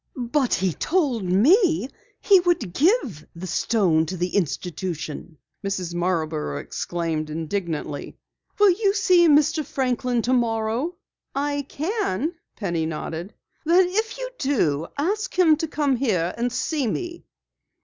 "But he told me he would give the stone to the institution!" Mrs. Marborough exclaimed indignantly. "Will you see Mr. Franklin tomorrow?" "I can," Penny nodded. "Then if you do, ask him to come here and see me."